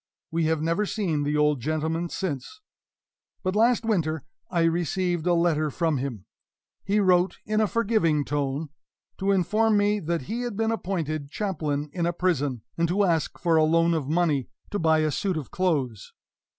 We have never seen the old gentleman since. But last winter I received a letter from him; he wrote in a forgiving tone, to inform me that he had been appointed chaplain in a prison, and to ask for a loan of money to buy a suit of clothes.